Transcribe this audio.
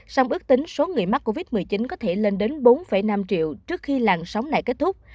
song ước tính số người mắc covid một mươi chín có thể lên đến bốn năm triệu trước khi làn sóng lại kết thúc